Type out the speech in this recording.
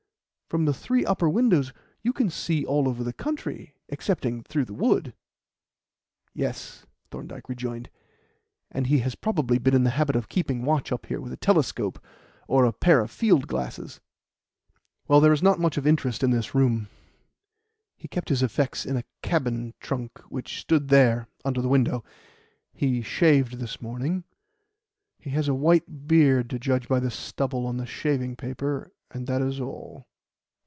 From the three upper windows you can see all over the country excepting through the wood." "Yes," Thorndyke rejoined, "and he has probably been in the habit of keeping watch up here with a telescope or a pair of field glasses. Well, there is not much of interest in this room. He kept his effects in a cabin trunk which stood there under the window. He shaved this morning. He has a white beard, to judge by the stubble on the shaving paper, and that is all.